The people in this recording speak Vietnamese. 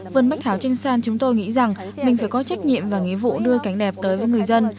vườn bách thảo trên sàn chúng tôi nghĩ rằng mình phải có trách nhiệm và nghĩa vụ đưa cảnh đẹp tới với người dân